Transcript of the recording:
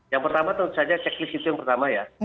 yang pertama tentu saja checklist itu yang pertama ya